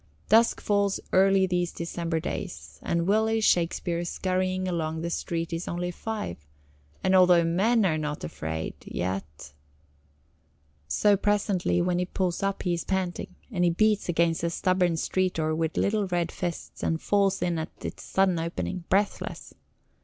Dusk falls early these December days, and Willy Shakespeare scurrying along the street is only five, and although men are not afraid yet So presently when he pulls up he is panting, and he beats against the stubborn street door with little red fists, and falls in at its sudden opening, breathless.